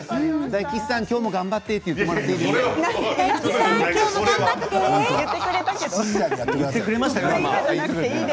大吉さん、今日も頑張ってって言ってください。